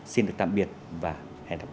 xin được tạm biệt và hẹn gặp lại